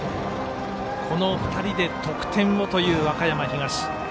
この２人で得点をという和歌山東。